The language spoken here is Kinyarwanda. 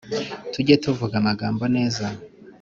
Tujye tuvuga amagambo neza